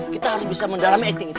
kita harus bisa mendalami acting itu